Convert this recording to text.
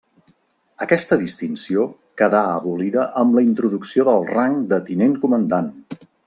Aquesta distinció quedà abolida amb la introducció del rang de Tinent-Comandant.